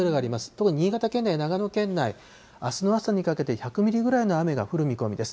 特に新潟県内、長野県内、あすの朝にかけて１００ミリぐらいの雨が降る見込みです。